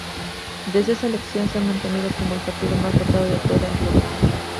Desde esa elección se ha mantenido como el partido más votado de toda Eslovaquia.